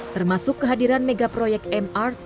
termasuk kehadiran megaproyek mrt mass rapid transit